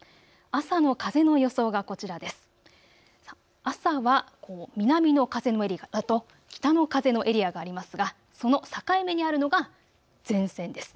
朝は南の風のエリアと北の風のエリアがありますがその境目にあるのが前線です。